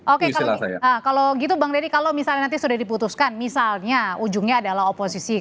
oke kalau gitu bang deddy kalau misalnya nanti sudah diputuskan misalnya ujungnya adalah oposisi